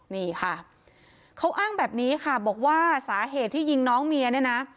นี่ค่ะเขาอ้างแบบนี้ค่ะบอกว่าสาเหตุที่ยิงน้องเมียเนี่ยนะ